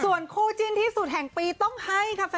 ส่วนคู่จิ้นที่สุดแห่งปีต้องให้ค่ะ